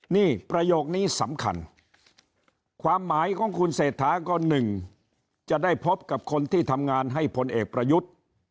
นี่ประโยคนี้สำคัญความหมายของคุณเศรษฐาก็๑จะได้พบกับคนที่ทำงานให้พลเอกประยุทธ์